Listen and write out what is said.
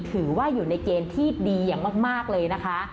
ถือว่าอยู่ในเกณฑ์ที่ดีอย่างมากเลยนะคะ